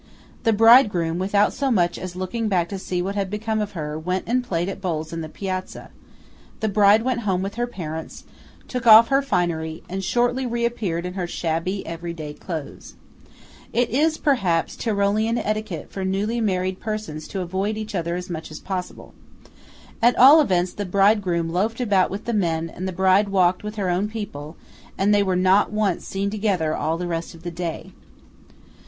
The bridegroom, without so much as looking back to see what had become of her, went and played at bowls in the piazza; the bride went home with her parents, took off her finery, and shortly reappeared in her shabby, everyday clothes. It is, perhaps, Tyrolean etiquette for newly married persons to avoid each other as much as possible. At all events, the bridegroom loafed about with the men, and the bride walked with her own people, and they were not once seen together all the rest of the day.